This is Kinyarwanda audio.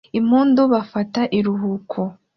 impundu bafata ikiruhuko